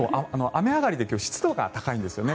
雨上がりで今日は湿度が高いんですよね。